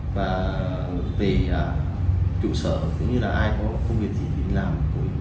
và về trụ sở cũng như là ai có công việc gì thì làm